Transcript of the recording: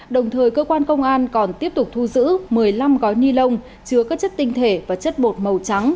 đồng thời cơ quan công an còn tiếp tục thu giữ một mươi năm gói ni lông chứa các chất tinh thể và chất bột màu trắng